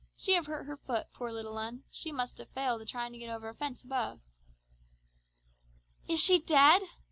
She have hurt her foot, poor little 'un. She must have failed a tryin' to get over a fence above!" "Is she dead?"